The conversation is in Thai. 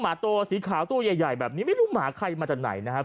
หมาตัวสีขาวตัวใหญ่แบบนี้ไม่รู้หมาใครมาจากไหนนะครับ